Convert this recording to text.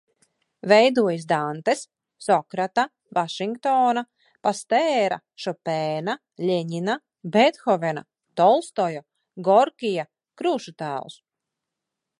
Veidojis Dantes, Sokrata, Vašingtona, Pastēra, Šopēna, Ļeņina, Bēthovena, Tolstoja, Gorkija krūšutēlus.